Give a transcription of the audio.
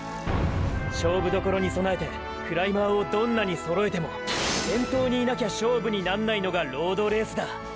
勝負どころに備えてクライマーをどんなに揃えても先頭にいなきゃ勝負になんないのがロードレースだ。